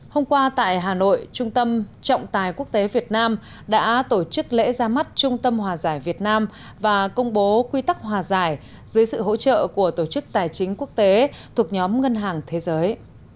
hôm qua tại hà nội trung tâm trọng tài quốc tế việt nam đã tổ chức lễ ra mắt trung tâm hòa giải việt nam và công bố quy tắc hòa giải dưới sự hỗ trợ của tổ chức tài chính quốc tế thuộc nhóm ngân hàng thế giới